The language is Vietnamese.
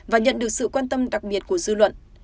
và nhận được sự quan tâm đặc biệt của dư luận